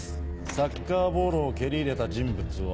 サッカーボールを蹴り入れた人物は。